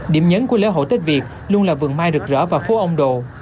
điểm nhấn của lễ hội tết việt luôn là vườn mai rực rỡ và phố ông đồ